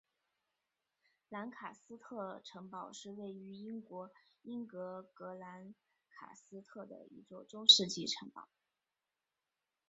兰卡斯特城堡是位于英国英格兰兰卡斯特的一座中世纪城堡。